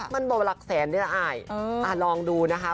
มันบอกว่าหลักแสนเนี่ยอ่ะลองดูนะคะ